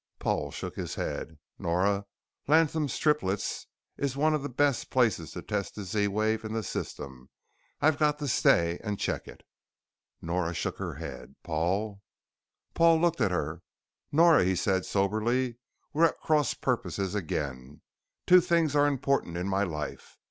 Paul shook his head. "Nora, Latham's Triplets is one of the best places to test this Z wave in the system. I've got to stay and check it." Nora shook her head. "Paul " Paul looked at her. "Nora," he said soberly, "we're at cross purposes again. Two things are important in my life.